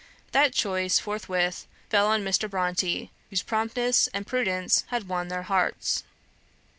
That choice forthwith fell on Mr. Bronte, whose promptness and prudence had won their hearts."